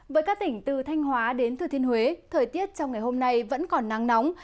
với các tỉnh từ thanh hóa đến thừa thiên huế thời tiết trong ngày hôm nay vẫn còn nắng nóng